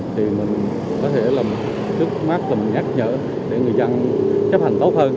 thì mình có thể làm trước mắt làm nhắc nhở để người dân chấp hành tốt hơn